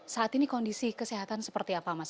saat ini kondisi kesehatan seperti apa mas